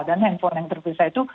dan handphone yang terpisah itu